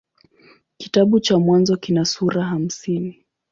Kitabu cha Mwanzo kina sura hamsini.